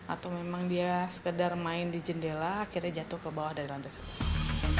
atau memang dia sekedar main di jendela akhirnya jatuh ke bawah dari lantai sebelah